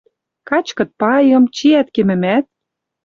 Качкыт пайым, чиӓт кемӹмӓт?